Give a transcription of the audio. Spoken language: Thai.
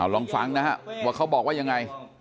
ลองฟังนะฮะว่าเขาบอกว่ายังไง